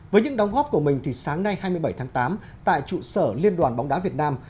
với những đóng góp của mình thì sáng nay hai mươi bảy tháng tám tại trụ sở liên đoàn bóng đá việt nam